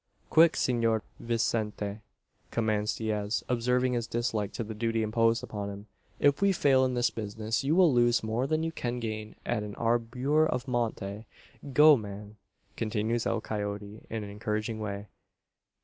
"Quick. Senor Vicente!" commands Diaz, observing his dislike to the duty imposed upon him; "if we fail in this business, you will lose more than you can gain at an albur of monte. Go, man!" continues El Coyote, in an encouraging way.